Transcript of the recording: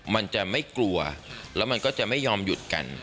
มันจะไม่กลัวแล้วมันก็จะไม่ยอมหยุดกัน